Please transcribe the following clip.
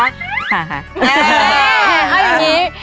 เอาอย่างนี้